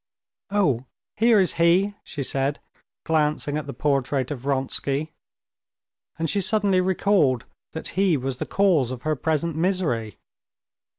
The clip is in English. "Oh, here is he!" she said, glancing at the portrait of Vronsky, and she suddenly recalled that he was the cause of her present misery.